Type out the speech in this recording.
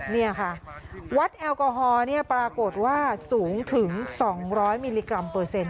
นี่ค่ะวัดแอลกอฮอล์ปรากฏว่าสูงถึง๒๐๐มิลลิกรัมเปอร์เซ็นต